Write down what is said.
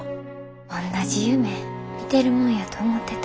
おんなじ夢見てるもんやと思ってた。